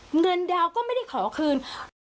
มึงเดี๋ยว็าก็ไม่ได้ขอคืน